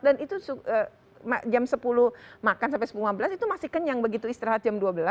dan itu jam sepuluh makan sampai lima belas itu masih kenyang begitu istirahat jam dua belas